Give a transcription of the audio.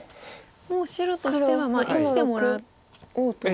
もう白としては生きてもらおうと。